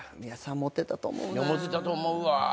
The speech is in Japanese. モテたと思うわ。